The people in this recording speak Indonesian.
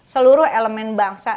seluruh elemen bangsa